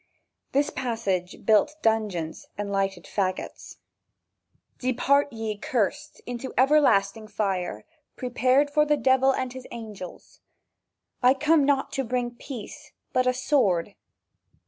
This passage built dungeons and lighted fagots. "Depart ye cursed into everlasting fire prepared for the devil and his angels." "I came not to bring peace but a sword."